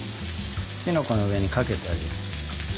きのこの上にかけてあげる。